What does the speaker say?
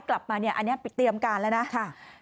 กลับมาเนี่ยอันนี้เตรียมการแล้วนะ